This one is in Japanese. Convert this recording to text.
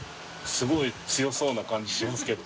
すごい強そうな感じしますけど。